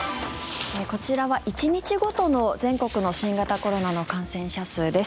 こちらは１日ごとの、全国の新型コロナの感染者数です。